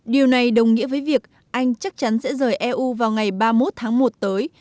điều này đồng nghĩa với việc anh chắc chắn sẽ rời eu vào ngày ba mươi một tháng một tới